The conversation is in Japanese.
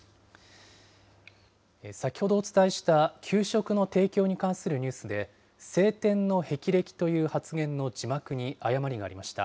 先ほどお伝えした、給食の提供に関するニュースで、青天のへきれきという発言の字幕に誤りがありました。